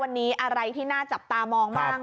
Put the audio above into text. อะไรที่น่าจับตามองบ้าง